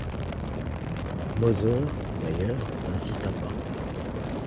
Moser, d'ailleurs, n'insista pas.